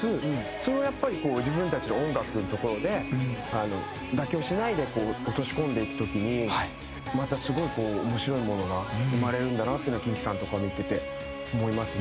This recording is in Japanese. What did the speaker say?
それをやっぱりこう自分たちの音楽のところで妥協しないで落とし込んでいく時にまたすごい面白いものが生まれるんだなっていうのはキンキさんとかを見てて思いますね。